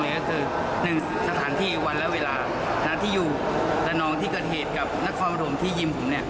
นี่คือหนึ่งสถานที่วันและเวลานางที่อยู่และน้องที่เกิดเหตุกับนักความรับธรรมที่ยิ่มผมเนี่ย